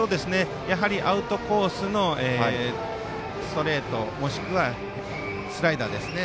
アウトコースのストレートもしくはスライダーですね。